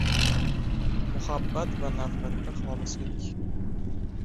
— Muhabbat va nafratda xolislik.